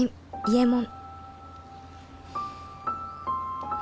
「伊右衛門」